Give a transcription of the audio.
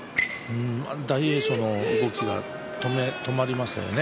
大栄翔の動きが止まりましたよね。